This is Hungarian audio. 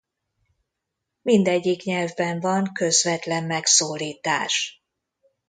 Mindegyik nyelvben van közvetlen megszólítás.